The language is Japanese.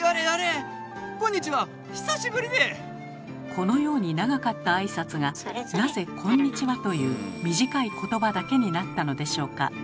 このように長かった挨拶がなぜ「こんにちは」という短いことばだけになったのでしょうか？